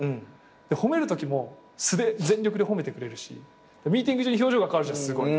褒めるときも素で全力で褒めてくれるしミーティング中に表情が変わるじゃんすごい。